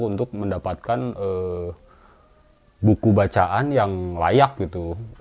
untuk mendapatkan buku bacaan yang layak gitu